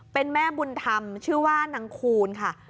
เป็นแม่บุญธรรมชื่อว่านางคูณค่ะ